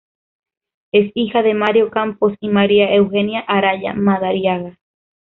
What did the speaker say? Es hija de Mario Campos y María Eugenia Araya Madariaga.